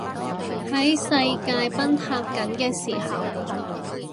喺世界崩塌緊嘅時候